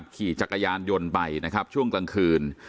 ขี่จักรยานยนต์ไปช่วงกลางคืน